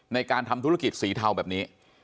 ในการทำธุรกิจสีเทาแบบนี้